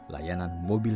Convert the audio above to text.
karena dia sudah siap